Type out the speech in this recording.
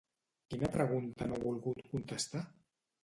Quina pregunta no ha volgut contestar?